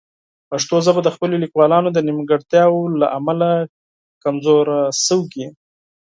پښتو ژبه د خپلو لیکوالانو د نیمګړتیاوو له امله کمزورې شوې.